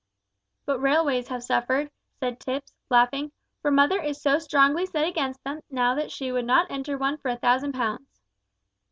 "But railways have suffered," said Tipps, laughing, "for mother is so strongly set against them now that she would not enter one for a thousand pounds."